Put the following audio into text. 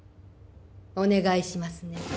お願いしますね